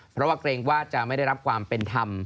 เพราะว่าเกรงว่าจะไม่ได้รับความเป็นธรรม